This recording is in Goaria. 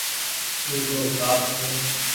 او تو سانپ ڇي۔